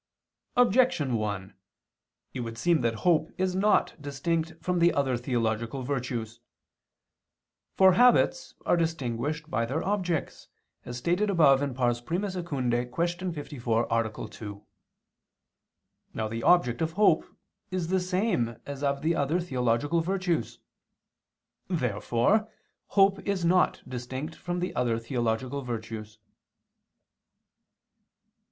Objection 1: It would seem that hope is not distinct from the other theological virtues. For habits are distinguished by their objects, as stated above (I II, Q. 54, A. 2). Now the object of hope is the same as of the other theological virtues. Therefore hope is not distinct from the other theological virtues.